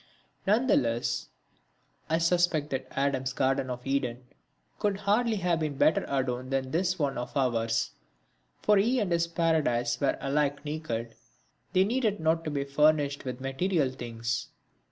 None the less I suspect that Adam's garden of Eden could hardly have been better adorned than this one of ours; for he and his paradise were alike naked; they needed not to be furnished with material things.